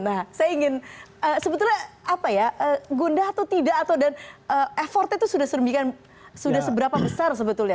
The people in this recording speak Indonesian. nah saya ingin sebetulnya apa ya gundah atau tidak atau dan effortnya itu sudah seberapa besar sebetulnya